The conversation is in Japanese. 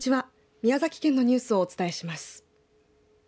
宮崎県のニュースをお伝えします。